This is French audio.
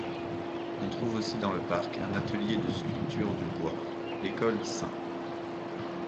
On trouve aussi dans le parc un atelier de sculpture du bois, l'école St.